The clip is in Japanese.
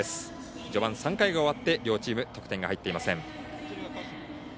序盤、３回が終わって両チーム得点が入っていません。